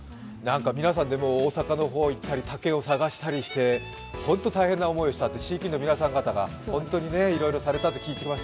皆さんで大阪の方に行ったり、竹を探したりして本当に大変な思いをしたって飼育員の皆さん方が本当にいろいろされたって聞いています。